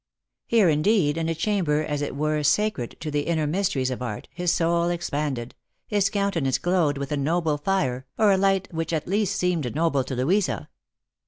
Here indeed, in a chamber as it were sacred to the inner mysteries of art, his soul expanded, his countenance glowed with a noble fire, or a light which at least seemed noble to Louisa.